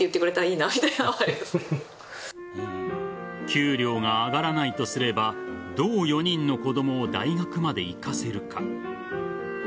給料が上がらないとすればどう４人の子供を大学まで行かせるか。